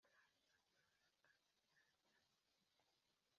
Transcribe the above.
bibumbwa Umurimo w amaboko y umubumbyi